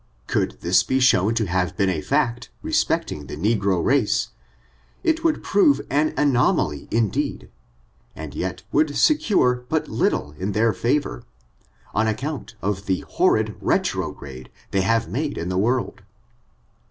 Could this be shown to have been a &ct, respecting the negro race, it would prove an anoma ly indeed, and yet would secure but little in their fa vor, on account of the horrid retrograde they have made in the world.